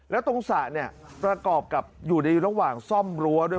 แล้วตรงสระเนี่ยประกอบกับอยู่ในระหว่างซ่อมรั้วด้วย